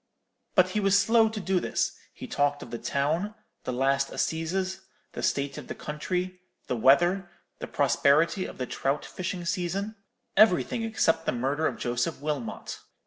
But he was slow to do this; he talked of the town, the last assizes, the state of the country, the weather, the prosperity of the trout fishing season—everything except the murder of Joseph Wilmot.